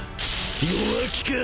弱気か！？